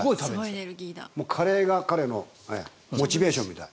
カレーが彼のモチベーションみたいな。